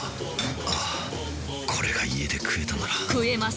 ああこれが家で食えたなら食えます！